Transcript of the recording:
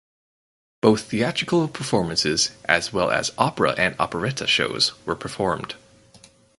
Both theatrical performances as well as opera and operetta shows were performed.